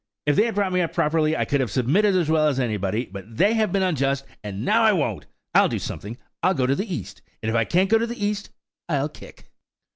If they had brought me up properly, I could have submitted as well as anybody; but they have been unjust, and now I won't! I'll do something–I'll go to the East; and if I can't go to the East, I'll kick!"